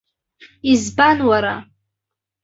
Избан, уара?